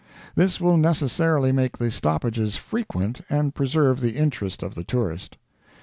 This will necessarily make the stoppages frequent and preserve the interest of the tourist.